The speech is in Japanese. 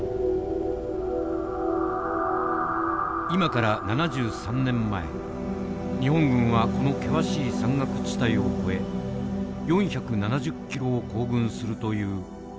今から７３年前日本軍はこの険しい山岳地帯を越え４７０キロを行軍するという前代未聞の作戦を決行した。